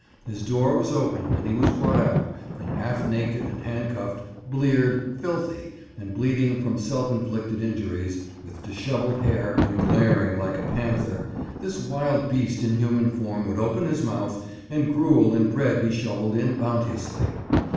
His door was opened and he was brought out, and, half naked and handcuffed, bleared, filthy, and bleeding from self inflicted injuries, with dishevelled hair, and glaring like a panther, this wild beast in human form would open his mouth, and gruel and bread be shovelled in bounteously.